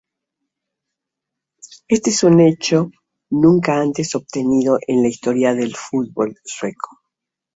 Este es un hecho nunca antes obtenido en la historia del fútbol sueco.